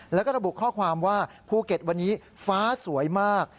แล้วก็ระบุข้อความว่าภูเก็ตวันนี้ฟ้าสวยมาก